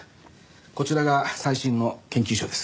こちらが最新の研究書です。